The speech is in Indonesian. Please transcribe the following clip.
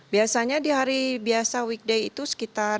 biasanya di hari biasa weekday itu sekitar